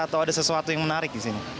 atau ada sesuatu yang menarik di sini